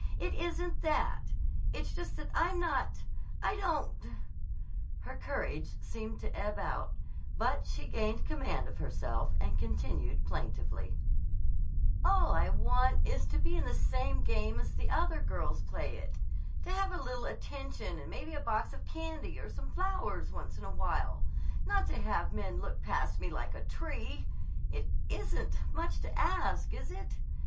"It isn't that. It's just that I'm not—I don't—" Her courage seemed to ebb out, but she gained command of herself and continued plaintively: "All I want is to be in the game as other girls play it—to have a little attention and maybe a box of candy or some flowers once in a while: not to have men look past me like a tree. It isn't much to ask, is it?